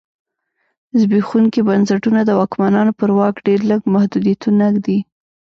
زبېښونکي بنسټونه د واکمنانو پر واک ډېر لږ محدودیتونه ږدي.